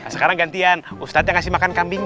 sekarang gantian ustadz yang ngasih makan kambing